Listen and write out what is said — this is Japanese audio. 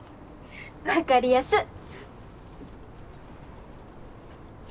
分かりやすっ！